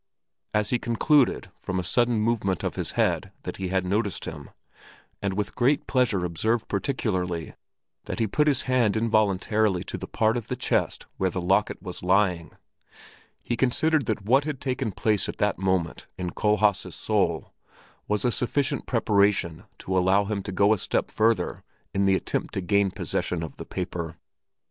As he concluded from a sudden movement of his head that he had noticed him, and with great pleasure observed particularly that he put his hand involuntarily to that part of the chest where the locket was lying, he considered that what had taken place at that moment in Kohlhaas' soul was a sufficient preparation to allow him to go a step further in the attempt to gain possession of the paper.